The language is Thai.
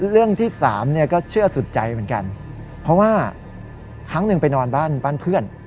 เรื่องที่สามเนี่ยก็เชื่อสุดใจเหมือนกันเพราะว่าครั้งหนึ่งไปนอนบ้านบ้านเพื่อน